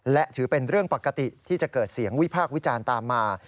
และถือเป็นเรื่องปกติที่จะเกิดเสียงวิพากษ์วิจารณ์ตามมา